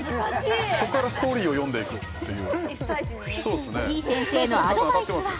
そこからストーリーを読んでいくっていう